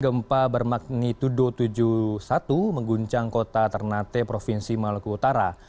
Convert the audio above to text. gempa bermakni tuduh tujuh puluh satu mengguncang kota ternate provinsi maluku utara